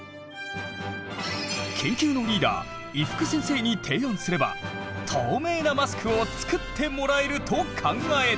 研究のリーダー伊福先生に提案すれば透明なマスクを作ってもらえると考えた。